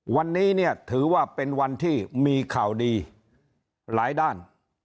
วันนี้เนี่ยถือว่าเป็นวันที่มีข่าวดีหลายด้าน